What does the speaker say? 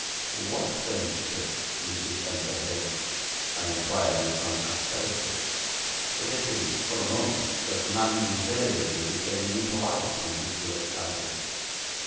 'What French trick, Monsieur Spenser Hale?' I inquired with some asperity, forgetting for the moment that the man invariably became impolite when he grew excited.